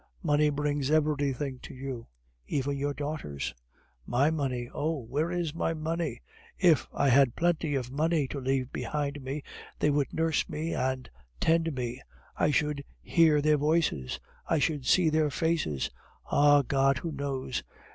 Money brings everything to you; even your daughters. My money. Oh! where is my money? If I had plenty of money to leave behind me, they would nurse me and tend me; I should hear their voices, I should see their faces. Ah, God! who knows?